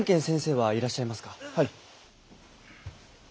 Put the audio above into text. はい。